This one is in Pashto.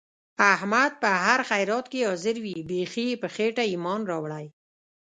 احمد په هر خیرات کې حاضر وي. بیخي یې په خېټه ایمان راوړی.